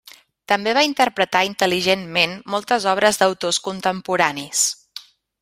També va interpretar intel·ligentment moltes obres d'autors contemporanis.